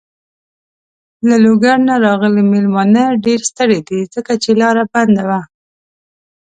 له لوګر نه راغلی مېلمانه ډېر ستړی دی. ځکه چې لاره بنده وه.